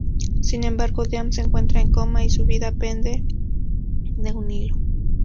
Sin embargo, Dean se encuentra en coma y su vida pende de un hilo.